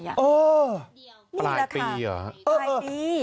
นี่แหละค่ะปีเหรอปลายปี